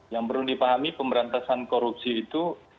yang perlu dipahami pemberantasan korupsi itu